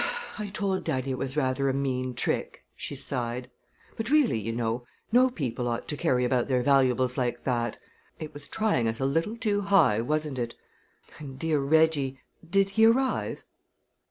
"I told daddy it was rather a mean trick," she sighed; "but really, you know, no people ought to carry about their valuables like that! It was trying us a little too high, wasn't it? And dear Reggie did he arrive?"